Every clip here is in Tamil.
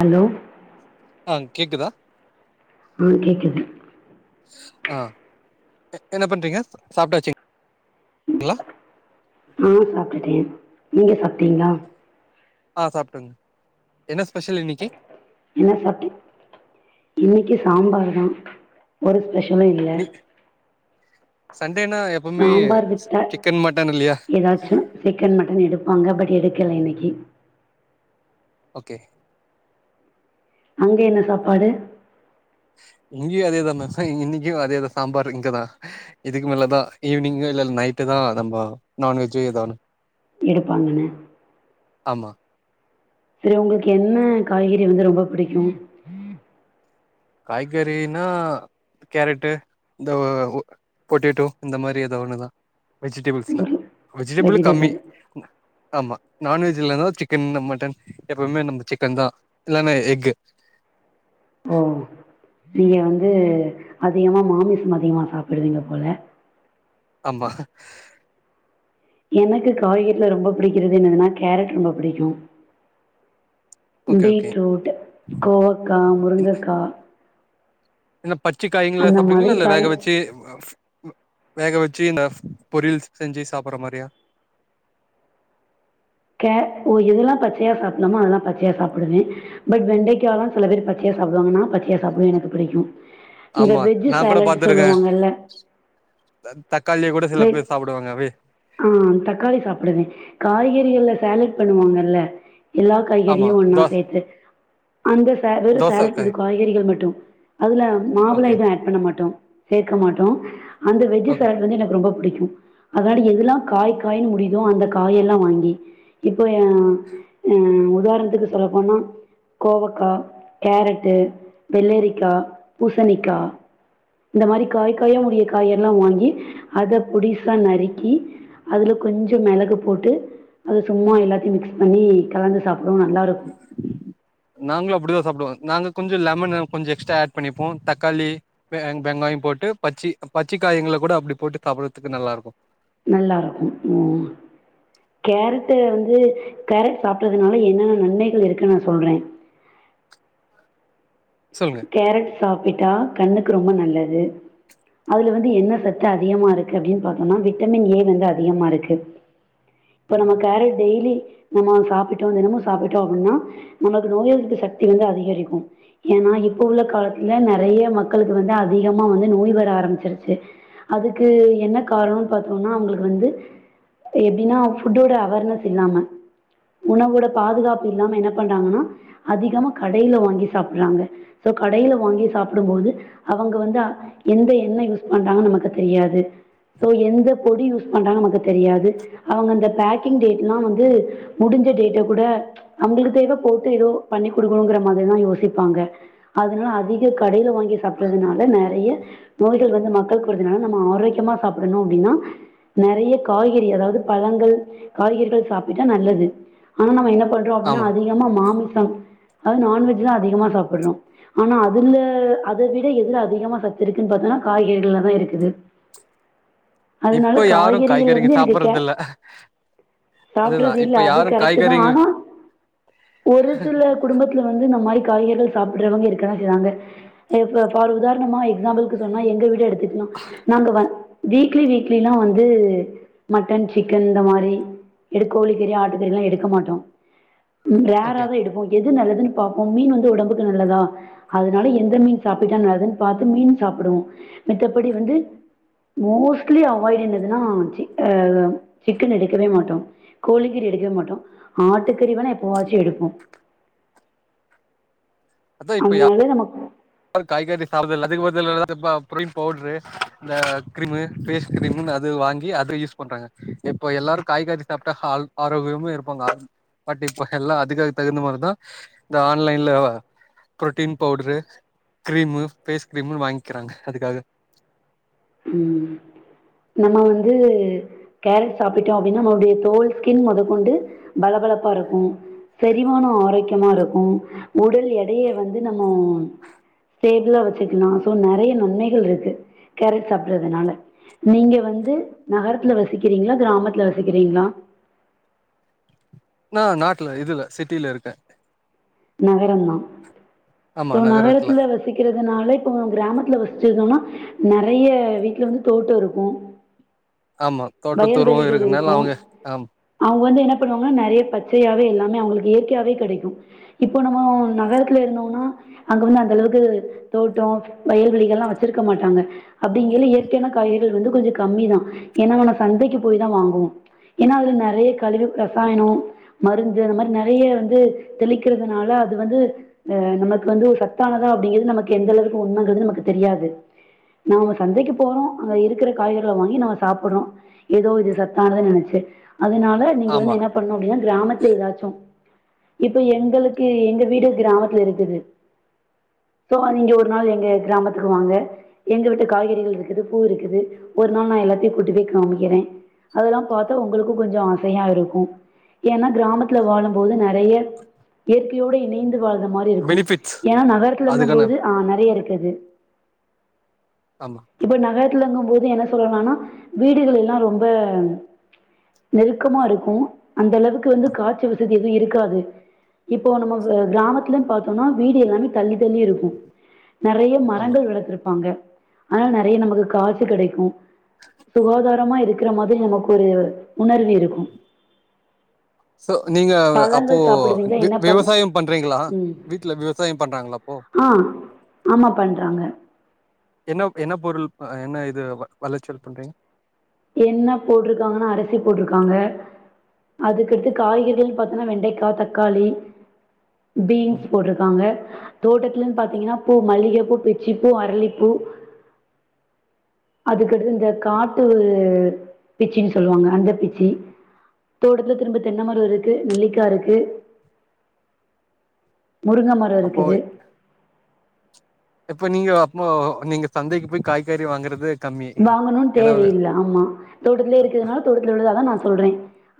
ஹலோ ஆ கேக்குதா ஆ கேக்குது ஆ என்ன பண்றீங்க சாப்ட்டச்சுகளா ஆ சாப்ட்டுட்டே நீங்க சாப்ட்டீங்களா ஆ சாப்ட்டேங்க என்ன ஸ்பெஷல் இன்னைக்கு என்ன சாப்ட்டே இன்னைக்கு சாம்பார் தா ஒரு ஸ்பெஷலு இல்ல இனி சண்டேனா எப்பவுமே சிக்கன் மட்டன் இல்லையா ஏதாச்சு சிக்கன் மட்டன் எடுப்பாங்க பட் எடுக்கல இன்னைக்கு ஓகே அங்க என்ன சாப்பாடு இங்கேயு அதே தா மே இன்னைக்கு அதேதா சாம்பார் இங்கதா இதுக்கு மேலதா ஈவினிங்கு இல்ல நைட்டு தா நண்பா நான்வெஜ்ஜு எதானு எடுப்பாங்கன்னு ஆமா செரி உங்களுக்கு என்ன காய்கறி வந்து ரொம்ப பிடிக்கு காய்கறினா கேரட்டு இந்த பொட்டேட்டோ இந்த மாரி ஏதோ ஒன்னுதா வெஜிடபிள்ஸ்ல ஒரு வெஜிடபிள் கம்மி ஆமா நான்வெஜ்ல்ல இருந்த சிக்கன் மட்டன் எப்பவுமே நம்ம சிக்கன் தா இல்லன்னா எக்கு ஓ நீங்க வந்து அதிகமா மாமிசம் அதிகமா சாப்பிடுவீங்க போல ஆமா எனக்கு காய்கறில ரொம்ப பிடிக்கிறது என்னன்னா கேரட் ரொம்ப பிடிக்கு ஓகே ஓகே பீட்ரூட் கோவக்கா முருங்கக்கா என்ன பச்சைக்காய்ங்களா அந்த சாப்டுவீங்களா மாதிரி இல்ல காய் வேக வச்சு வேக வச்சு இந்த பொறியல் செஞ்சு சாப்பிடுற மாரியா கே ஓ எதல்லா பச்சையா சாப்பிடலாமோ அதெல்லா பச்சையா சாப்பிடுவே பட் வெண்டைக்கா தா சில பேர் பச்சையா சாப்பிடுவாங்க நா பச்சையா சாப்பிட எனக்கு பிடிக்கு ஆமா நா கூட பாத்திருக்கே தக்காளிய கூட சில வெ பேர் சாப்பிடுவாங்க வே ஆ தக்காளி சாப்பிடுவே காய்கறிகள்ல சேலட் பண்ணுவாங்கல்ல எல்லா ஆமா காய்கறியு ஒன்னா தோச சேத்து அந்த சேல வெறும் சேலட்டு தோசக்காய் காய்கறிகள் மட்டும் அதுல மாவுள ஓகே எதுவு ஆட் பண்ண மாட்டோ சேக்க மாட்டோ அந்த வெஜ் ஓகே சேலட் வந்து எனக்கு ரொம்ப புடிக்கு அதனால எதுயெல்லா காய் காயின்னு முடியுதோ அந்த காய்யெல்லா வாங்கி இப்போ ஆ ஆ உதாரணத்துக்கு சொல்ல போனா கோவக்கா கேரட்டு வெள்ளேரிக்கா பூசணிக்கா இந்த மாரி காய் காய்ன்னு முடியுற காய் எல்லா வாங்கி அத பொடிசா நறுக்கி அதில கொஞ்சோ மெளகு போட்டு அது சும்மா எல்லாத்தையு மிக்ஸ் பண்ணி கலந்து சாப்பிடவு நல்லா இருக்கு நாங்களு அப்டிதா சாப்பிடுவோ நாங்க கொஞ்சோ லெமனு கொஞ்சோ எஸ்ட்ரா ஆட் பண்ணிப்போ தக்காளி வெங்காயோ போட்டு பச்சி பச்சை காய்ங்கள கூட அப்டி போட்டு சாப்பிடுறதுக்கு நல்லா இருக்கு நல்லா இருக்கு ம் கேரட்டு வந்து கேரட் சாப்பிட்டறதுனால என்னென்ன நன்மைகள் இருக்குன்னு நா சொல்றே சொல்லுங்க கேரட் சாப்பிட்டா கண்ணுக்கு ரொம்ப நல்லது அதுல வந்து என்ன சத்து அதிகமா இருக்கு அப்படின் பாத்தோம்னா விட்டமின் ஏ வந்து அதிகமா இருக்கு இப்ப நம்ம கேரட் டெய்லி நம்ம சாப்பிட்டோ தினமு சாப்பிட்டோ அப்டின்னா நமக்கு நோய் எதிர்ப்பு சக்தி வந்து அதிகரிக்கும் ஏன்னா இப்போ உள்ள காலத்துல நெறைய மக்களுக்கு வந்து அதிகமா வந்து நோய் வர ஆரம்பிச்சிருச்சு அதுக்கு என்ன காரணம்னு பாத்தோம்னா அவங்களுக்கு வந்து எப்டின்னா ஃபுட்டோட அவேர்னஸ் இல்லாம உணவோட பாதுகாப்பு இல்லாம என்ன பண்றாங்கனா அதிகமா கடையில வாங்கி சாப் புறாங்க சோ கடையில வாங்கி சாப்டும்போது அவங்க வந்து எந்த எண்ண யூஸ் பண்றாங்கன் நமக்கு தெரியாது ஸோ எந்த பொடி யூஸ் பண்றாங்க நமக்கு தெரியாது அவங்க அந்த பேக்கிங் டேட் எல்லா வந்து முடிஞ்ச டேட் கூட அவங்களுக்கு தேவ போட்டு ஏதோ பண்ணி கொடுக்கணுங்கிற மாரிதா யோசிப் பாங்க அதனால அதிக கடையில வாங்கி சாப்றதுனால நெறைய நோய்கள் வந்து மக்களுக்கு வருதுனால நம்ம ஆரோக்கியமா சாப்டணு அப்டின்னா நெறைய காய்கறி அதாவது பழங்கள் காய்கறிகள் சாப்பிட்டா நல்லது ஆனா நம்ம என்ன பண் றோ அப்டினா ஆமா அதிக மாமிசம் அதாவது நான்வெஜ் தா அதிகமா சாப்டுறோ ஆனா அதுல அத விட எதுல அதிகமா சத்து இருக்குன் பாத்தோங்கன்னா காய்கறிகள்லதா இருக்குது அதனால இப்ப யாரு காய்கறிகள்ல காய்கறிங்க இருந்து எனக்கு கே சாப்புட்றது இல்ல அதுதா சாப்பிடறது இல்ல இப்ப அது யாரு கரெக்ட் தா காய்கறிங்க ஆனா ஒரு சில குடும்பத்தில வந்து இந்த மாரி காய்கறி சாப்டுறவங்க இருக்க தா செய்யுறாங்க இப்ப ஃபார் உதாரணமா எக்ஸாம்பிள்க்கு சொன்னா எங்க வீட எடுத் துக்கனு நாங்க வந் வீக்லி வீக்லிலா வந்து மட்டன் சிக்கன் இந்த மாரி எடு கோழி கறி ஆட்டுக்கறி எல்லா எடுக்க மாட்டோ ம் ரேரா ஓகே தா எடுப்போ எது நல்லதுன்னபாப்போ மீன் வந்து உடம்புக் நல்லதா அதனால எந்த மீன் சாப்பிட்டா நல்லதுன் பாத்து மீன் சாப்பிடுவோ மித்தபடி வந்து மோஸ்ட்லி அவாய்ட் என்னதுன்னா சிக்கன் எடுக்கவே மாட்டோ கோழிகறி எடுக்கவே மாட்டோ ஆட்டுக்கறி வேணா எப்பவாச்சு எடுப்போ அதா இப்ப யா அதனாலே நமக் காய்கறி சாப்ப [unintelligible] பவுடரு இந்த கிரீமு ஃபேஸ் கிரீமுன் அது வாங்கி அத யூஸ் பண்றாங்க இப்போ எல்லாரு காய்கறி சாப்ட்டா ஹால் ஆரோக்கியமா இருப்பாங்க பட் இப்போ எல்லா அதிகு தகுந்த மாரிதா இந்த ஆன்லைன்ல பிரோட்டீன் பவுடரு கிரீமு ஃபேஸ் கிரீமுன் வாங்கிக்கிறாங்க அதுக்காக ம் நம்ம வந்து கேரட் சாப்பிட்டோ அப்டின்னா நம்மளுடைய தோல் ஸ்கின் முதற்கொண்டு பலபளப்பா இருக்கும் செரிமான ஆரோக்கியமா இருக்கு உடல் எடைய வந்து நம்ம ஸேபிளா வச்சுக்கலா சோ நெறைய நன்மைகள் இருக்கு கேரட் சாப்றதுனால நீங்க வந்து நகரத்துல வசிக்கிறீங்களா கிராமத்துல வசிக்கிறீங்களா நா நாட்ல இதுல சிட்டில இருக்கே நகரமா சோ நகரத்துல வசி சிக்கிறதுனால இப்போ கிராமத்துல வசிச்சிரும்னா நெறைய வீட்ல வந்து தோட்ட இருக்கு ஆமா தோட்டத்துூர்வு வயல்வெளிகள் இருக்குனால இருக்கு அவங்க ஆமா அவங்க வந்து என்ன பண்ணுவாங்கனா நெறைய பச்சையாவே எல்லாமே அவங்ளுக் இயற்கையாவே கெடைக்கு இப்போ நம்ம நகரத்துல இருந்தோம்னா அங்க வந்து அந்த அளவுக்கு தோட்டோ வயல்வளிகள் எல்லா வெச்சிருக்க மாட்டாங்க அப்படிங்கைள இயற்கையான காய்கறிகள் வந்து கொஞ்ச கம்மிதா ஏன்னா சந்தைக்கு போய் தான் வாங்குவோ ஏனா அதுல நெறைய கழிவு ரசாயனம் மருந்து அந்த மாரி நெறைய வந்து தெளி க்கறதுனால அது வந்து ஆஹ நமக்கு வந்து ஒரு சத்தானதா அப்டிங்கறது நமக்கு எந்த அளவுக்கு உண்மைங்கறது நமக்கு தெரியாது நாம சந்தைக்கு போறோ அங்க இருக்கிற காய்கறிளை வாங்கி நாம சாப்பர்றோ ஏதோ இது சத்தானதுனு நெனைச்சு அதனால நீங்க வந்து ஆமா என்ன பண்ணு அப்டின்னா கிராமத்துல ஏதாச்சு இப்ப எங்க களுக்கு எங்க வீடு கிராமத்துல இருக்குது சோ நீங்க ஒரு நாள் எங்க கிராமத்க்வாங்க எங்க விட்டு காய்கறிகள் இருக்குது பூ இருக்குது ஒரு நாள் நா எல்லாத்தையு கூட்டி போய் காமிக்கிறே அதெல்லா பாத்தா உங்களுக்கு கொஞ்ச ஆசையா இருக்கு ஏனா கிராமத்துல வாழும் போது நெறைய இயற்கையோடு இணைந்து வாழ்ந்த மாரி இருக்கு பெனிஃபிட்ஸ் ஏனா நகரத்துலருக்கு அதுக்கான போது ஆஹ நெறைய இருக்குது ஆமா இப்ப நகரத்துல இருக்கு போது என்ன சொல்லானா வீடுகள் எல்லா ரொம்ப நெருக்கமா இருக்கு அந்த அளவுக்கு வந்து காத்துவசதி எதுவு இருக்காது இப்போ நம்ம கிராமத்துலு பார்த்தோனா வீடு எல்லாமே தள்ளி தள்ளி இருக்கு நிறைய ஆமா மரங்கள் வளர்த்துருப்பாங்க அதனால நெறைய நமக்கு காத்து கெடைக்கு சுகாதாரமா இருக்கிற மாரி நமக்கு ஒரு உணர்வு இருக்கு சோ நீங்க அப்போ பழங்கள் சாப்பிடுவீங்க. என்ன விவச பழ் சாயம் பண்றீங்களா ம். வீட்ல விவசாயம் பண்றாங்களாப்போ ஆ. ஆமா பண்றாங்க. என்ன என்ன பொருள் என்ன இது வெளச்சல் பண்றீங் என்ன போட்டிருக்காங்கனா அரிசி போட்டிருக்காங்க அதுக்கடுத்து காய்கறிகள்னு பாத்தோன்னா வெண்டைக்காய் தக்காளி ம் பீன்ஸ் போடுறது இருக்காங்க தோட்டத்துலந் பாத்தீங்கனா பூ மல்லிகைப்பூ பிச்சிப்பூ அரளிப்பூ அதுக்கடுத்து இந்த காட்டு பிச்சனு சொல்வாங்க அந்த பிச்சி தோட்டத்துல திரும்ப தென்னைமரோ இருக்கு நெல்லிக்காருக்கு முருங்க மரோ அப்போ இருக்குது இப்ப நீங்க அப்போ நீங்க சந்தைக்கு போய் காய்கறி வாங்குறது கம்மி வாங்கணுனு ஏன்னா வே- தேவையில்ல ஆமா தோட்டத்துலே இருக்கதுனால தோட்டத்துல உள்ளழுதா நா சொல்றே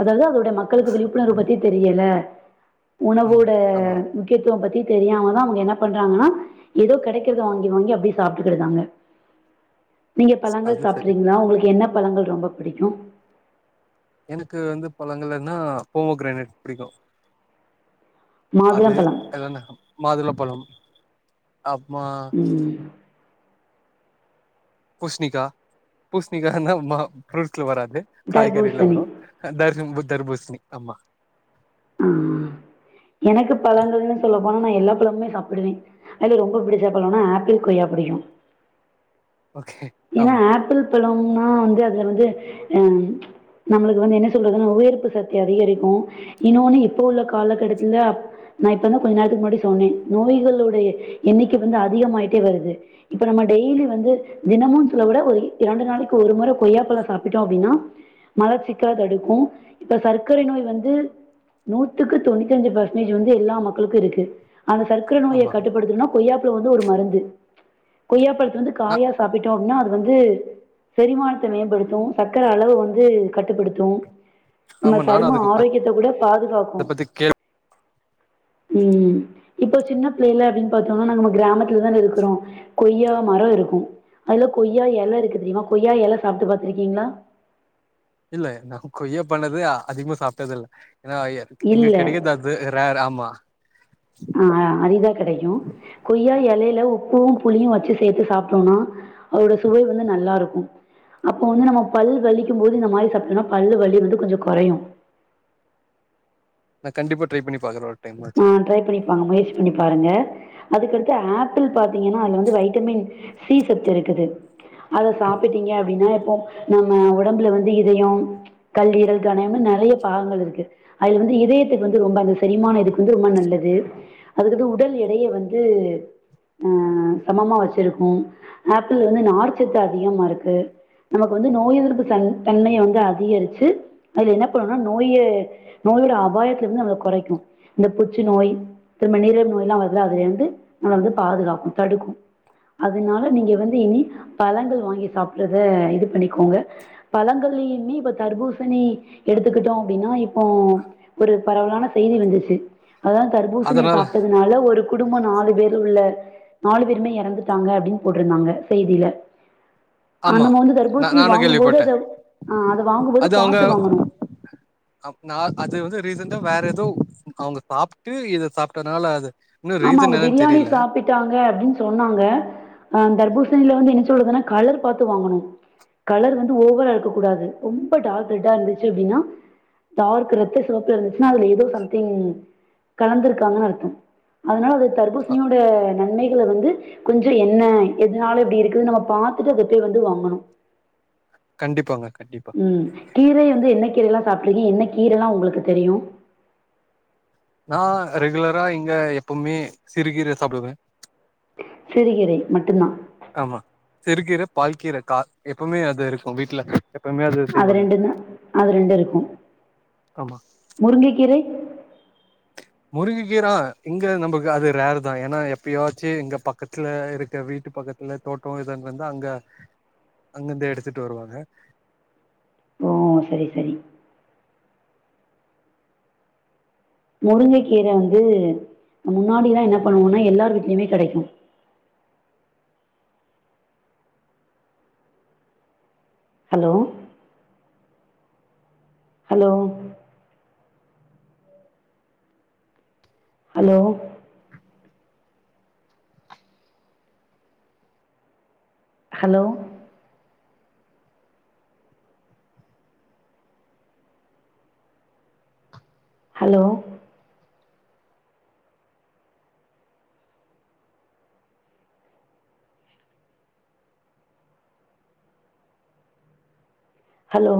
அதாவது அதோடைய மக் மக்களுக்கு விழிப்புணர்வு பத்தி தெரியல ம் உணவோட ஆமா முக்கியத்துவம் பத்தி தெரியாமதா அவங்க என்ன பண்றாங்கனா ஏதோ கெடைக்கறத வாங்கி வாங்கி அப்டியே சாப்ட்டுகிறதாங்க நீங்க ஸ்- பழங்கள் அது சரி சாப்ட்றீங்களா உங்ளுக்கு என்ன பழங்கள் ரொம்ப பிடிக்கு எனக்கு வந்து பழங்கள்ன்னா போமோ கிரேனேட் புடிக்கு அது மாதுளம்பழம் எல்லன மாதுளப்பழம் அப்புமா ம் பூஷ்ணிகா பூஷ்ணிகானா ஃப்ரூட்ஸ்ல வராது காய்கறில தர்பூசணி வரு தர்புத் தர்பூஸ்னி ஆமா ஆஹ எனக்கு பழங்கள்னு சொல்ல போனா நா எல்லா பழமுமே சாப்பிடுவே அதுல ரொம்ப பிடிச்ச பழம்னா ஆப்பிள் கொய்யா புடிக்கு ஓகே ஏனா ஆமா ஆப்பிள் பழம்னா வந்து அதுல வந்து அ நம்மளுக்கு வந்து என்ன சொல்றதுன்னா உயிர்ப்பு சக்தி அதிகரிக்கு இன்னொன்னு இப்ப உள்ள காலக்கட்டத்துல நா இப்பதா கொஞ்சொ நேரத்துக்கு முன்னாடி சொன்னே நோய்களுடைய எண்ணிக்கை வந்து அதிகமாயிட்டே வருது இப்ப நம்ம டெய்லி வந்து தினமு சில விட ஒரு இரண்டு நாளைக்கு ஒரு மொற கொய்யாப்பழொ சாப்பிட்டோம அப்டின்னா மலர் சிக்கல தடுக்கு இப்ப சர்க்கரை நோய் வந்து நூத்துக்கு தொண்ணுத்தி அஞ்சு பர்சன்டேஜ் வந்து எல்லா மக்களுக்கு இருக்கு அந்த சர்க சர்க்கர நோயை ஆமா கட்டுப்படுத்தனுனா கொய்யாப்பழொ வந்து ஒரு மருந்து கொய்யாப்பழத்து வந்து நா காயா சா ன்னா அது வந்து செரிமானத்த மேம்படுத்து சர்கக்கர அளவு வந்து கட்டுப்படுத்து நம்ம ஆமா நானு சரும அதுக்கு ஆரோக்கியத்த கூட பாதுகாக்கு அத பத்தி கேள் ம் இப்போ சின்ன பிள்ளைல அப்டின்னு பாத்தோனா நம்ம கிராமத்துலதான இருக்குறோ கொய்யா மரொ இருக்கு அதுல கொய்யா எல இருக்கு தெரியுமா கொய்யா எல சாப்ட்டு பாத்துருக்கீங்ளா இல்ல நா கொய்யா பண்ணது அதிகமா சாப்ட்டது இல்ல எனா எங்க இல்ல கெடைக்காத வே ரேர் ஆமா ஆ அரிதா கெடைக்கு கொய்யா எலைல உப்புவு புளியு வச்சு சேத்து சாப்ட்டோனா அதோட சுவை வந்து நல்லா இருக்கு அப்போ வந்து நம்ம பல் வலிக்கும் போது இந்த மாரி சாப்ட்டோனா பல்லு வலி வந்து கொஞ்சொ கொறையு நா கண்டிப்ப ட்ரை பண்ணி பாக்குறே ஒரு டைம் ஆச்சு ஆ ட்ரை பண்ணிப்பா முயற்சி பண்ணி பாருங்க அதுக்கடுத்து ஆப்பிள் பாத்திங்கன்னா அதுல வந்து வைட்டமின் சி சத்து இருக்குது அத சாப்பிட்டீங்க அப்டின்னா இப்போ நம்ம உடம்புல வந்து இதயொ கல்லீரல் கணயம்னு நெறைய பாகங்கள் இருக்கு அதுல வந்து இதயத்துக்கு வந்து ரொம்ப அந்த சரிமான இதுக் கு வந்து ரொம்ப நல்லது அதுக்குது உடல் எடைய வந்து அ சமமா வச்சுருக்கு ஆப்பிள் வந்து நார்ச்சத்து அதிகமா இருக்கு நமக்கு வந்து நோய் எதிர்ப்பு தன் தன்மைய வந்து அதிகரிச்சு அது என்ன பண்ணுனா நோய நோயோட அபாயத்ல இருந்து நம்மல கொறைக்கு இந்த புற்று நோய் திரும்ப நீரீழிவு நோய் எல்லா வருதுல அதுலெர்ந்து வந்து பாதுகாக்கு தடுக்கு அதுனால நீங்க வந்து இனி பழங்கள் வாங்கி சாப்ட்றத இது பண்ணிக்கோங்க பழங்கள்லிமே இப்ப தர்பூசணி எடுத்துக்கிட்டோ அப்டின்னா இப் போ ஒரு பரவலான செய்தி வந்துச்சு அதா தர்பூசணிய அதனால சாப்ட்டது துனால ஒரு குடும்பொ நாலு பேர் உள்ள நாலு பேருமே எறந்துட்டாங்க அப்டின்னு போட்ருந்தாங்க செய்தில ஆனா ஆமா நம்ம வந்து நா தர்பூசணி நானு வாங்கும்போது கேள்விப்பட்டே அத அ அத வாங்கும்போது பாத்து வாங்கணு அப்னா அது வந்து ரீசண்டா வேற எதோ அவுங்க சாப்ட்டு இத சாப்ட்டனால அது இன்னு ரீசன் என்னன் தெரியல ட்டாங்க அப்டின்னு சொன்னாங்க அ தர்பூசணில வந்து என்ன சொல்றதுன்னா கலர் பாத்து வாங்கணு கலர் வந்து ஓவரா இருக்க கூடாது ரொம்ப டார்க் ரெட்டா இருந்துச்சு அப்டின்னா டார்க்கு ரெத்த சிவப்புல இருந்துச்சுன்னா அதுல எதோ சம்திங் கலந்துருக்காங்கன்னு அர்த்தம் அதுனால அது அ, தர்பூசணியோட நன்மை யில வந்து கொஞ்சோ என்ன எதுனால இப்டி இருக்குதுன் நம்ம பாத்துட்டு வெட்டி வந்து வாங்கணு கண்டிப்பாங்க கண்டிப் ம் கீரை வந்து என்ன கீரைையல்லா சாப்ட்ருக்கீங் என்ன கீரெல்லா உங்களுக்கு தெரியு நா ரெகுலரா இங்க எப்பவ்மே சிறுகீர சாப்டுவே சிறுகீரை மட்டுந்தா ஆமா சிறுகீர பால் கீர கா எப்பமே அது இருக்கு வீட்ல எப்பவுமே அது செய்வாங்க ரெண்டுந்தா அது ரெண்டு இருக்கு ஆமா முருங்கக்கீரை முருங்ககீரா இங்க நமக்கு அது ரேர்தா ஏன்னா எப்பியாச்சு இங்க பக்கத்துல இருக்க வீட்டு பக்கத் ல தோட்டோ இதா இருந்துதா அங்க அங்கிருந்தே எடுத்துட்டு வருவாங்க ஓ செரி செரி முருங்கை கீர வந்து முன்னாடியெல்லா என்ன பண்ணுவோன்னா எல்லார் வீட்லியுமே கெடைக்கு hello hello hello hello hello hello